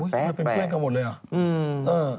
ทำไมเป็นเพื่อนกันหมดเลยเหรอ